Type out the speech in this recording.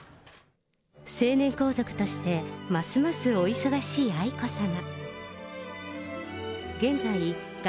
成年皇族としてますますお忙しい愛子さま。